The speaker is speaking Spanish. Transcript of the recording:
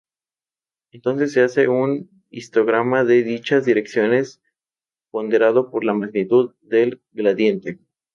Entonces se hace un histograma de dichas direcciones ponderado por la magnitud del gradiente.